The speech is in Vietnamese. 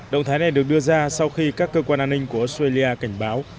động thái này được đưa ra sau khi các cơ quan an ninh của australia cảnh báo